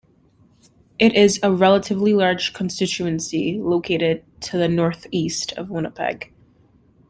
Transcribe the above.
It is a relatively large constituency, located to the northeast of Winnipeg.